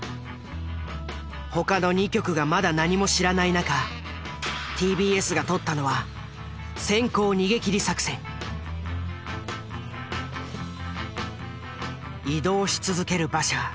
他の２局がまだ何も知らない中ＴＢＳが取ったのは移動し続ける馬車。